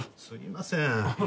すいません。